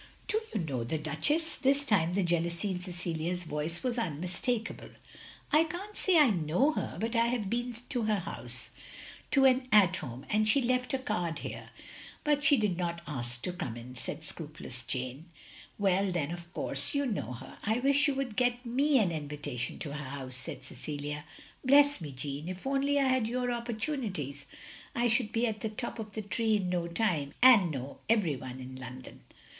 " "Do you know the Duchess?" This time the jealotisy in Cecilia's voice was immistakable. "I can't say I know her, but I have been to her house — ^to an At Home; and she left a card here, but 'she did not ask to come in," said scrupulotis Jeanne. "Well, then of course you know her. I wish you would get me an invitation to her house," said Cecilia. "Bless me, Jeanne, if only I had your opportunities I should be at the top of the tree in no time, and know every one in London."